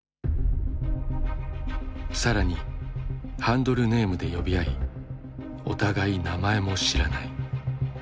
更にハンドルネームで呼び合いお互い名前も知らない。